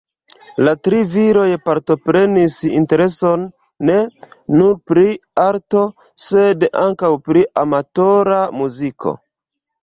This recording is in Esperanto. La tri viroj partoprenis intereson ne nur pri arto, sed ankaŭ pri amatora muziko.